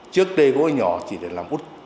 trước đây gỗ nhỏ chỉ để làm út